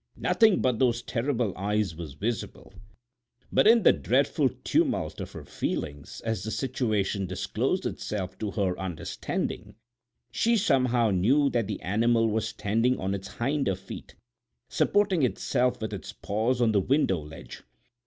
Nothing but those terrible eyes was visible, but in the dreadful tumult of her feelings as the situation disclosed itself to her understanding she somehow knew that the animal was standing on its hinder feet, supporting itself with its paws on the window ledge.